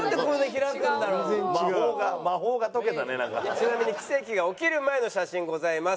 ちなみに奇跡が起きる前の写真ございます。